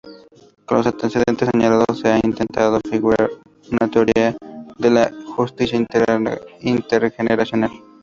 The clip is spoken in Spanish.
Con los antecedentes señalados, se ha intentado configurar una teoría de la justicia intergeneracional.